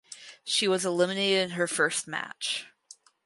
She was eliminated in her first match.